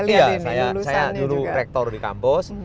iya saya juru rektor di kampus